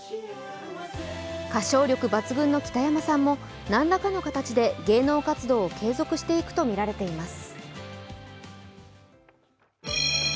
歌唱力抜群の北山さんも何らかの形で芸能活動を継続していくとみられています。